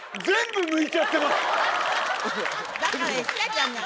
だから言ったじゃない。